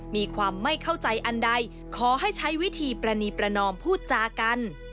มีความไม่เข้าใจอันใดขอให้ใช้วิธีปรณีประนอมพูดจากัน